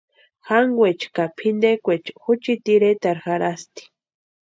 Jankwaecha ka pʼintekwaecha juchiti iretarhu jarhasti.